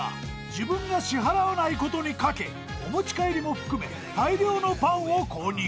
［自分が支払わないことにかけお持ち帰りも含め大量のパンを購入］